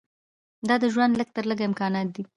دا د ژوند لږ تر لږه امکانات دي.